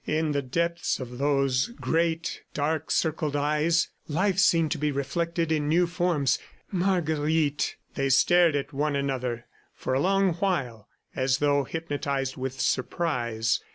In the depths of those great, dark circled eyes life seemed to be reflected in new forms. ... Marguerite! They stared at one another for a long while, as though hypnotized with surprise.